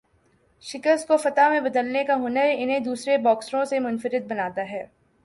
شکست کو فتح میں بدلنے کا ہنر انہیں دوسرے باکسروں سے منفرد بناتا ہے